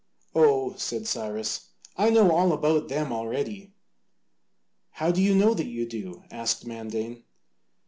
"Oh," said Cyrus, "I know all about them already." "How do you know that you do?" asked Mandane.